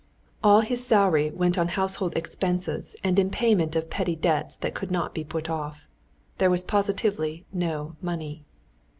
All his salary went on household expenses and in payment of petty debts that could not be put off. There was positively no money.